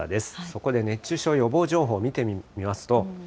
そこで熱中症予防情報見てみますと。